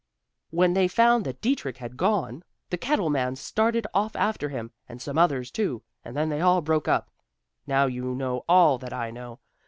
When they found that Dietrich had gone, the cattle man started off after him, and some others too, and then they all broke up. Now you know all that I know.